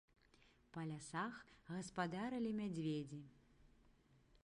Па лясах гаспадарылі мядзведзі.